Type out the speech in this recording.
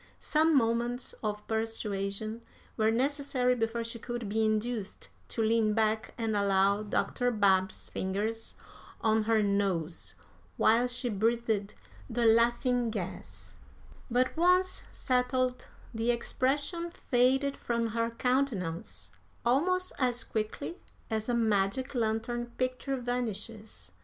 Some moments of persuasion were necessary before she could be induced to lean back and allow Dr. Babb's fingers on her nose while she breathed the laughing gas; but, once settled, the expression faded from her countenance almost as quickly as a magic lantern picture vanishes.